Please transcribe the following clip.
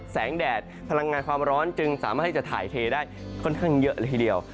แดดพลังงานความร้อนจึงสามารถที่จะถ่ายเทได้ค่อนข้างเยอะเลยทีเดียว